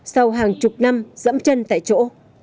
sau hàng chục năm dẫm chân tại chỗ